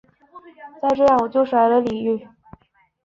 再这样我就甩了你唷！